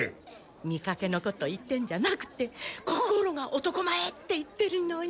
見かけのこと言ってんじゃなくて心が男前って言ってるのよ。